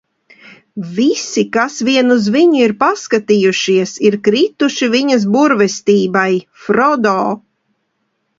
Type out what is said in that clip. Visi, kas vien uz viņu ir paskatījušies, ir krituši viņas burvestībai, Frodo!